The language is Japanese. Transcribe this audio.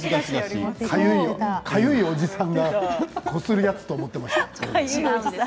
かゆいおじさんがこするやつだと思っていました。